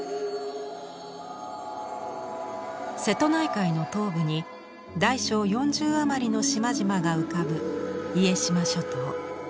瀬戸内海の東部に大小４０余りの島々が浮かぶ家島諸島。